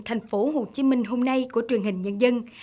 thành phố hồ chí minh hôm nay của truyền hình nhân dân